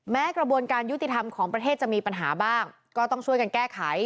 กระบวนการยุติธรรมของประเทศจะมีปัญหาบ้างก็ต้องช่วยกันแก้ไข